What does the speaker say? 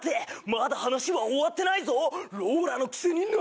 まだ話は終わってないぞ！